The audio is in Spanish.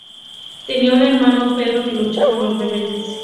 Tenía un hermano, Pedro, que luchó con los rebeldes.